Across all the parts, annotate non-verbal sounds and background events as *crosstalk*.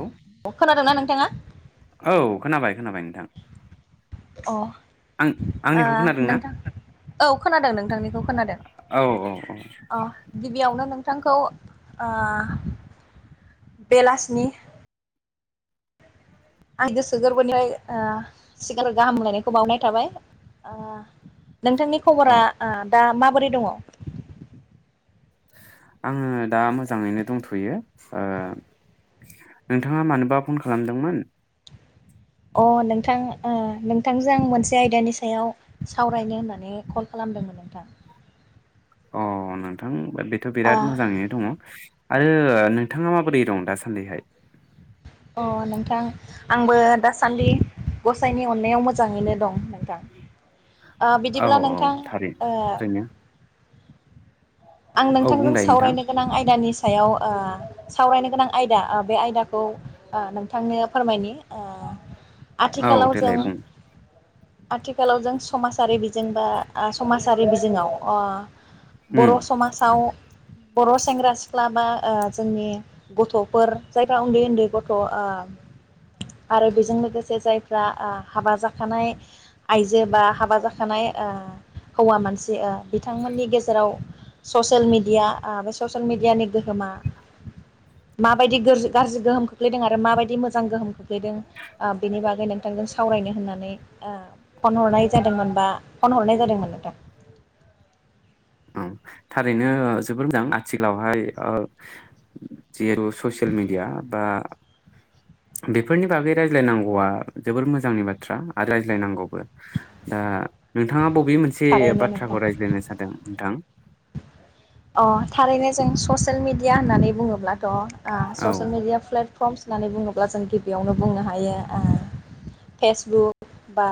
लौ खोनादोंना नोंथाङा औ खोनाबाय खोनाबाय ओं अ ओ खोनादों ना नोंथां औ खोनादों नोंथांनिखौ खोनादों औ औ औ अ गिबियावनो नों थांखौ ओ बेलासिनि आं गोसो गोरबोनिफ्राय ओ सिगां गाहामलायनायखौ बावनाय थाबाय आ नोंथांनि औ खबरा दा मा माबोरै दंङ? आंङो दा मोजांङैनो दंथयो ओ नोंथाङा मानोबा फन खालामदोंमोन? अ नोंथां ओ नोंथांजों आं मोनसे आयदानि सायाव सावरायनो होननानै कल खालामदोंमोन नोंथां। अ नोंथां बेथ ओ बिराद मोजांङैनो दंङ। आरो नोंथांङा माबोरै दं दासान्दिहाय? अ नोंथां आंबो दासान्दि गसाइनि अननायाव मोजांङैनो दं नोंथां। ओ औ बिदिब्ला औ नोंथां थारै थारैनो आं औ नोंथांजों बुंलाय नोंथां सावरायनो गोनां आयदानि सायाव ओ सावरायनो गोनां आयदा ओ बे आयदाखौ ओ नोंथांनो फोरमायनि ओ औ आथिखालाव जों देलाय बुं आथिखालाव जों समाजारि बिजों बा ओ समाजारि बिजोङाव आ उम बर' बर' सेंग्रा सिख्ला बा ओ जोंनि गथ'फोर जायफ्रा उन्दै उन्दै गथ' आ आरो बेजों लोगोसे जायफ्रा आ हाबा जाखानाय आइजो बा हाबा जाखानाय आ हौवा मानसि ओ बिथांमोननि गेजेराव ससियेल मिडिया आ बे ससियेल मिडियानि गोहोमा माबायदि गोरजि गाज्रि गोहोम खोख्लैदों आरो माबायदि मोजां गोहोम खोख्लैदों ओ बेनि बागै नोंथांजों सावरायनो होननानै ओ फन हरनाय जादोंमोन बा फन हरनाय जादोंमोन नोंथां। औ थारैनो जोबोर मोजां आथिखालावहाय ओ जिहेथु ससियेल मिडिया बा बेफोरनि बागै रायज्लायनांगौआ जोबोर मोजांनि बाथ्रा आरो रायज्लायनांगौबो दा नोंथाङा ब बे मोनसे थारैनो नोंथां बाथ्राखौ रायज्लायनो सानदों थां? अ थारैनो जों ससियेल मि दिया होननानै बुङोब्ला थ आ औ ससियेल मिडिया फ्लेत फर्मस होन्नानै बुङोब्ला जों गिबियावनो बुंनो हायो ओ फेसबुक बा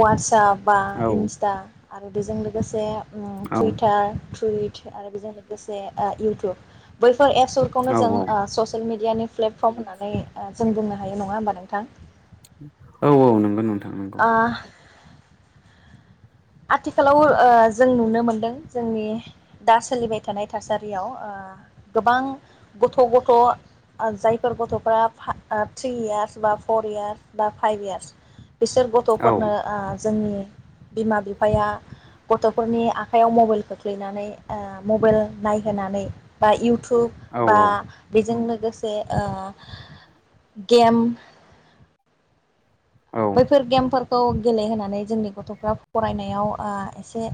वाटसाप बा औ इन्सटा आरो बेजों लोगोसे उम औ टुइटार टुइट आरो बेजों लोगोसे ओ इउटुब बै फोर एप्स औ फोरफोरखौनो जों औ ससियेल मि डियानि प्लेटफर्म होननानै ओ जों बुंनो हायो नङा होमबा नोंथां? औ औ नंगौ नोंथां नंगौ आ आथिखालाव ओ जों नुनो मोनदों जोंनि दा सोलिबाय थानाय थासारियाव ओ गोबां गथ' गथ' जायफोर गथ'फ्रा फा ओ थ्रि यार्स बा फर इयार्स बा फाइभ इयार्स बिसोर औ गथ'फोरनो ओ जोंनि बिमा बि फाया गथ'फोरनि आखाइयाव मबाइल खोख्लैनानै ओ मबाइल नायहोनानै बा इउटु ब औ बा बेजों लो गोसे ओ गेम औ बैफोर गेम फोर खौ गेलेहोनानै जोंनि गथ'फ्रा फरायनायाव आ एसे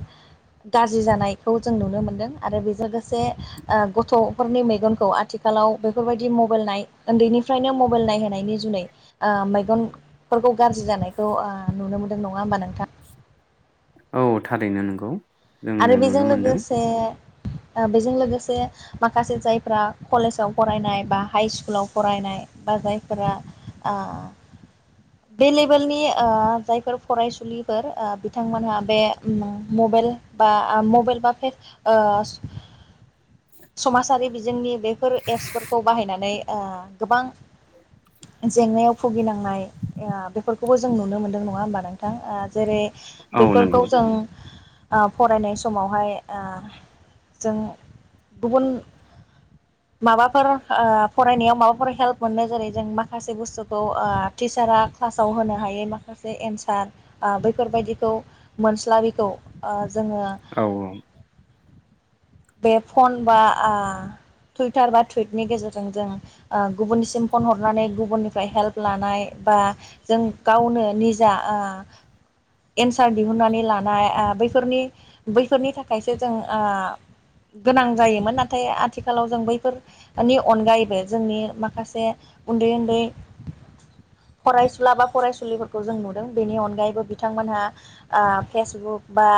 गाज्रि जानायखौ जों नुनो मोनदों आरो बेजों लोगोसे ओ गथ'फोरनि मेगनखौ आथिखालाव बेफोरबायदि मबाइल नाय उन्दैनिफ्रायनो मबाइल नायहोनायनि जुनै आ मेगन फोरखौ गाज्रि जानायखौ ओ नुनो मोन्दों नङा होमबा नोंथां? औ थारैनो नंगौ। आरो जोङो नुनो बेजों मोनदों लोगोसे ओ बेजों लोगोसे माखासे जायफोरा कलेजाव फरायनाय बा हाइ स्कुलाव फरायनाय बा जायफोरा आ बे लेभेलनि ओ जायफोर फरायसुलिफोर ओ बिथांमोनहा ओ बे उम मबेल बा मबाइल बा फेस ओ समाजारि बिजोंनि बेफोर एपसफोरखौ बाहायनानै ओ गोबां जेंनायाव भुगिनांनाय ओ बेफोर खौबो जों नुनो मोन्दों नङा होमबा नोंथां ओ जेरै औ नंगौ बेफोरखौ जों ओ फरायनाय समावहाय ओ जों गुबुन माबाफोर ओ फरायनायाव माबाफोर हेल्प मोनो जेरै जों माखासे बुस्थुखौ ओ टिचारा क्लासाव होनो हायै माखासे एनसार ओ बैफोरबायदिखौ मोनस्लाबैखौ ओ जोङो औ बे फन बा ओ टुइटार बा टुइटनि गेजेरजों जों ओ गुबुननिसिम फन हरनानै गुबुननिफ्राय हेल्प लानाय बा जों गावनो निजा ओ एन्सार दिहुनन्नानै लानाय ओ बैफोरनि बैफोरनि थाखायसो जों ओ गोनां जायोमोन नाथाय आथिखालाव जों बैफोरनि अनगायैबो जोंनि माखासे उन्दै उन्दै फरायसुला बा फरायसुलिफोरखौ जों नुदों बेनि अनगायैबो बिथांमोनहा ओ फेसबुक बा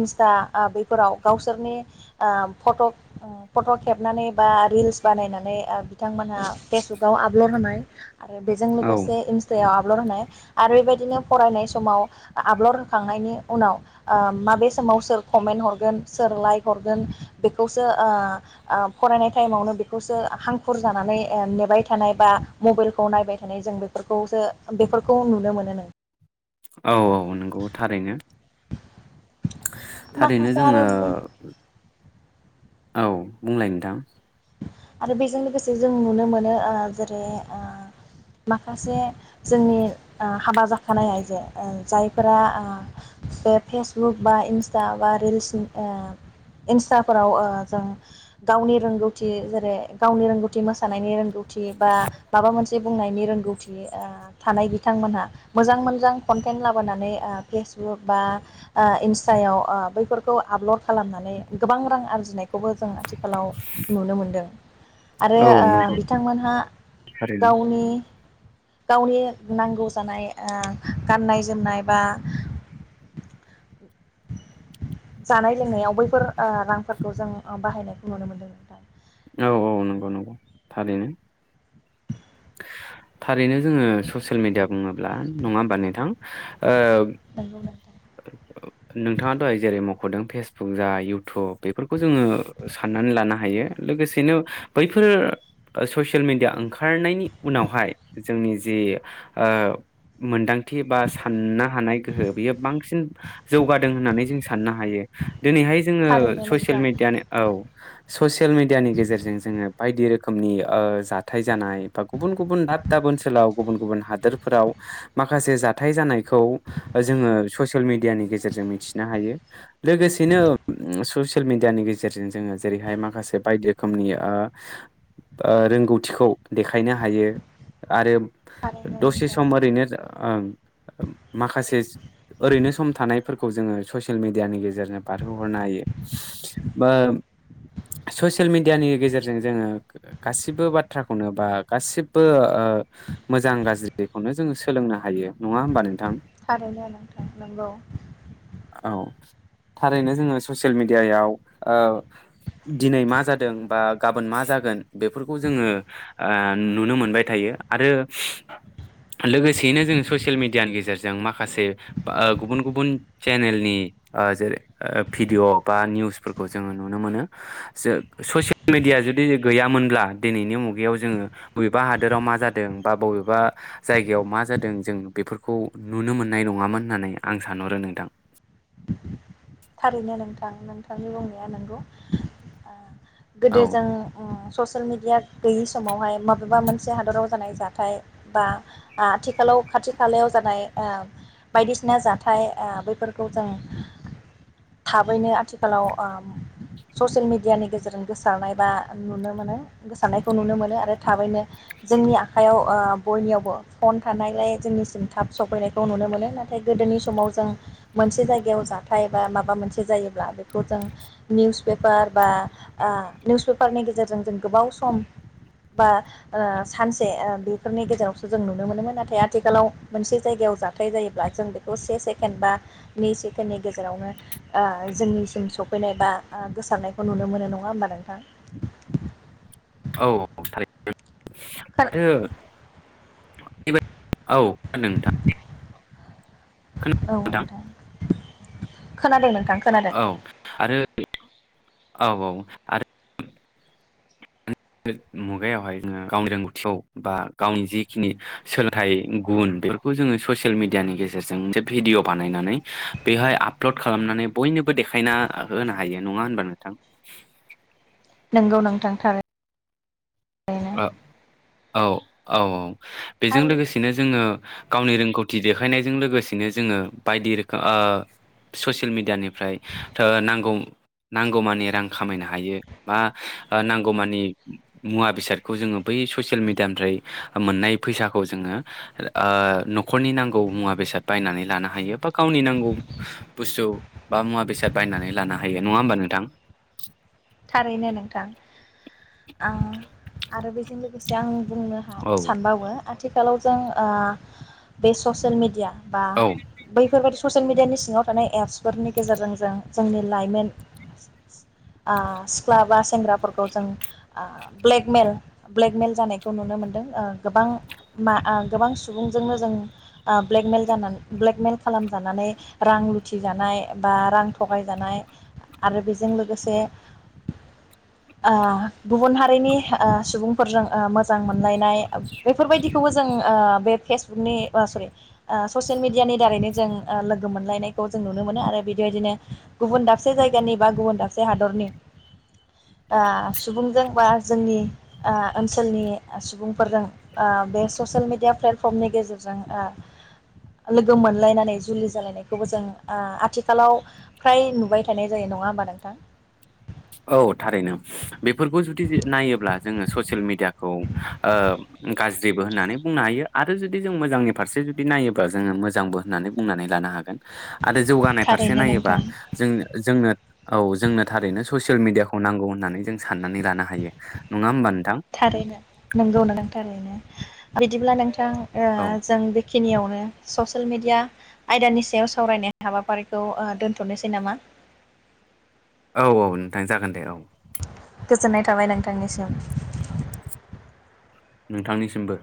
इन्स्टा बैफोराव ओ गावसोरनि ओ फट फट खेबनानै बा रिल्स बानायनानै ओ बिथांमोनहा फेसबुकाव आपलड होनाय आरो बेजों औ लोगोसे इन्स्टायाव आप आपलड होनाय आरो बेबायदिनो फरायनाय समाव आपलड होखांनायनि उनाव ओ माबे समाव सोर कमेन्ट हरगोन सोर लाइक हरगोन बेखौसो ओ फरायनाय टाइमावनो बेखौसो हांखुर जानानै ओ नेबाय थानाय बा मबाइलखौ नायबाय थानाय जों फोरखौसो बेफोरखौ नुनो मोनो मोनां औ औ नंगौ थारैनो थारैनो माखासे आरो जोङो औ बुंलाय नोंथां आरो बेजों लोगोसे जों नुनोओ मोनो ओ जेरै ओ माखासे जोंनिओ हाबा जाखानाय आइजो ओ जायफोरा ओ बे फेसबुक बा इन्सटा बा ओ रिल्स इन्स्टाफोराव जों गावनि रोंगौ ओ थि जेरै गावनि रोंगौथि मोसानायनि रोंगौ थिबा माबा मोनसे बे बुंनायनि रोंगौथि थानाय बिथांमोनहा मोजां मोजां कन्टेन्ट लाबोनानै फेसबुक बा इन्स्टायाव बैफोरखौ आपलड खालामनानै गोबां रां आरजिनायखौबो जों आथिखाल आथिखालाव नुनो मोनदों आरो औ ओ नंगौ बिथांमोनहा थारैनो गावनि गावनि नांगौ जानाय ओ गाननाय जोमनाय बा जानाय लोंनायाव बैफोर ओ रांफोरखौ जों बाहायनाय नुनो मोन्दोंमोन नोंथां। औ औ नंगौ नंगौ थारैनो थारैनो जोङो ससियेल मिेडिया बुङोब्ला नङा होमबा नोंथां? ओ नंगौ नोंथाङा दहाय जेरै मखदों फेसबुक जा इयउटुब बेफोरखौ जोङो साननानै लानो हायो लोगोसेनो बैफोर ससियेल मेडिया ओंखारनायनि उनावहाय जोंनि जि मोनदांथि थिबा साननो हानाय गोहो बियो बांसिन बांसिन जौगादों होननानै जों साननो हायो दिनैहाय जोङो थारैनो ससियेल नोंथां मेडियायानो औ ससे ससियेल मिडियानि गेजेरजों जोङो बायदि रोखोमनि ओ जाथाय जानाय बा गुबुन गुबुन दाब दाब ओनसोलाव गुबुन गुबुन हादोरफोराव माखासे जाथाय जानायखौ जोङो ससियेल मिडियानि गेजेरजों मिथिनो हायो। लोगोसेनो ओम ससिय ससियेल मिडियानि गेजेरजों जोङो जेरैहाय माखासे बायदि रोखोमनि ओ ओ रोंगौथिखौ देखायनो हायो आरो थारैनो दसे नोंथां सम ओरैनो ओं। माखासे ओरैनो सम थानायफोरखौ जोङो ससियेल मिडियानि गेजेरजों बारहोहरनो हायो बा ससियेल मिडियानि गेजेरजों जोङो गासिबो बाथ्राखौनो बा गासिबो ओ मोजां गाज्रिखौनो जोङो सोलोंनो हायो नङा होमबा नों आर'नायालाय? नांगौ *inaudible* औ थारैनो जोङो ससियेल मेडियायाव ओ दिनै मा जादों बा गाबोन मा जागोन बेफोरखौ जोङो ओ नुनो मोनबाय थायो आरो लोगोसेयैनो जों ससियेल मेडियानि गेजेरजों माखासे बा गुबुन-गुबुन चेनेलनि ओ जेरै ओ भिडिअ बा निउसफोरखौ जोङो नुनो मोनो जो ससियेल मेडिया जुदि गैयामोनब्ला दिनैनि मुगायाव जोङो बबेबा हादोराव मा जादों बा बबेबा जायगायाव मा जादों जों बेफोरखौ नुनो मोननाय नङा। नङामोन होन्नानै आं सानहरो नोंथां। थारैनो नोंथां नोंथांनि बुंनाया नंगौ ओ औ गोदो जों ओम। ससियेल मेडिया गैयि समावहाय माबेबा मोनसे हादराव जानाय जाथाय बा आथिखालाव खाथि खालायाव जानाय ओ बायदिसिना जाथाय ओ बैफोरखौ जों थाबैनो आथिखालाव ओ ससियेल मिडियानि गेजेरजों गोसारनाय बा नुनो मोनो गोसारनायखौ नुनो मोनो आरो थाबैनो जोंनि आखायाव ओ बयनियावबो फन थानायलाय जोंनिसिम थाब सफैनायखौ नुनो मोनो नाथाय गोदोनि समाव जों मोनसे जायगायाव जाथाय बा माबा मोनसे जायोब्ला बेखौ जों निउस पेफार बा ओ निउस पेपारनि गेजेरजों जों गोबाव सम बा ओ सानसे ओ बेफोरनि गेजेरावसो जों नुनो मोनोमोन नाथाय आथिखालाव मोनसे जायगायाव जाथाय जायोब्ला जों बेखौ से सेकेण्ड बा नै सेकेण्डनि गे जेरावनो ओ जोंनिसिम सफैनाय बा ओ गोसारनायखौ नुनो मोनो नङा होमबा नोंथां? औ थारैनो। औ ओ। *unintelligible* औ नोंथां औ नोंथां। खोनादों नों औ आरो औ औ आरो *unintelligible* मुगायावहाय जोङो गावनि रोंगौथिखौ बा गावनि जिखिनि सोलोंथाइ गुन बेफोरखौ जोङो ससियेल मिडियानि गेजेरजों मोनसे भिडिअ बानायनानै बेहाय आपलड खालामनानै बयनोबो देखायना होनो हायो नङा होनबा नोंथां? नोंगौ नों थारै यैनो। ओ औ औ औ। बेजों लोगोसेनो जोङो गावनि रोंगौथि देखायनायजों लोगोसेनो जोङो बायदि रोखो ओ ससियेल मिडियानिफ्राय थो नांगौ नांगौमानि रां खामायनो हायो बा नांगौमानि मुवा बेसाद खौ जोङो बै सियेल मिडियानिफ्राय मोननाय फैसाखौ जोङो ओ नख'रनि नांगौ मुवा बेसाद बायनानै लानो हायो बा गावनि नांगौ बुस्थु बा मुवा बेसाद बायनानै लानो हायो नङा होमबा नोंथां? थारैनो नोंथां आं आरो बेजों लोगोसे आं बुंनो हा औ सानबावो आथिखालाव जों ओ बे ससियेल मेडिया। बा औ बैफोरबायदि ससियेल मिडियानि सिङाव थानाय एप्सफोरनि गेजेरजों जों जोंनि लाइमोन ओ सिख्ला बास सेंग्राफोरखौ जों ओ ब्लेकमेल ब्लेकमेल जानायखौ नुनो मोनदों ओ गोबां मा ओ गोबां सुबुंजोंनो जों ओ ब्लेकमेल जाना ब्लेकमेल खालामजानानै रां लुथिजानाय बा रां थगायजानाय आरो बेजों लोगोसे ओ गुबुन हारिनि ओ सुबुंफोरजों ओ मोजां मोनलायनाय बेफोरबायदिखौबो जों ओ बे फेसबुकनि आ सरि ओ ससियेल मेडियानि दारैनो जों ओ लोगो मोनलायनायखौ जों नुनो मोनो आरो बिदिबायदिनो गुबुन दाबसे जायगानि बा गुबुन दाबसे हादरनि ओ सुबुंजों बा जोंनि ओ ओनसोलनि सुबुंफोरजों ओ बे ससियेल मेडिया प्लेटफर्मनि गेजेरजों ओ लोगो मोनलायनानै जुलि जालायनायखौबो जों ओ आथिखालाव फ्राय नुबाय थानाय जायो नङा होमबा नोंथां? औ थारैनो। बेफोरखौ जुदि नायोब्ला जोङो ससियेल मिडियाखौ ओ गाज्रिबो होननानै बुंनो हायो आरो जुदि जों मोजांनि फारसे जुदि नायोबा जोङो मोजांबो होननानै बुंनानै लानो हागोन। आरो जौगानाय फारसे थारैनो नायोबा नोंथां जों जोंनो औ जोंनो थारैनो ससेल मिडियाखौ नांगौ होननानै जों साननानै लानो हायो नंङा होमबा? नोंथां थारैनो नोंगौ *unintelligible* बिदिब्ला नों थां ओ औ जों बे खिनियावनो ससेयेल मेडिया आयदानि सायाव सावरायनाय हाबाफारिखौ ओ दोन्थनोसै नामा? औ औ नोंथां जागोन दे औ। गोजोननाय थाबाय नोंथांनिसिम। नोंथांनिसिमबो।